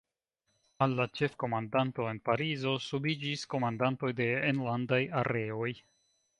Al la Ĉefkomandanto en Parizo subiĝis komandantoj de enlandaj Areoj.